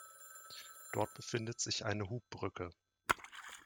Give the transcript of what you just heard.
Dort befindet sich eine Hubbrücke.